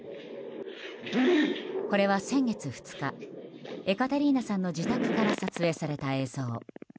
これは先月２日エカテリーナさんの自宅から撮影された映像。